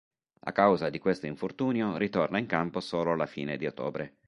A causa di questo infortunio ritorna in campo solo alla fine di ottobre.